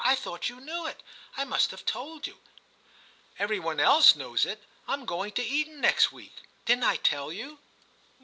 I thought you knew it ; I must have told you ; every one else knows it : Fm going to Eton next week ; didn't I tell you